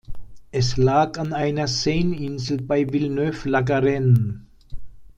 Es lag an einer Seine-Insel bei Villeneuve-la-Garenne.